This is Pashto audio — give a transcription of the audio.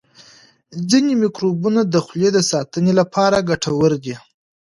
ځینې میکروبونه د خولې د ساتنې لپاره ګټور دي.